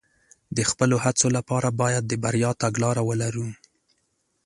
د خپلو هڅو لپاره باید د بریا تګلاره ولرو.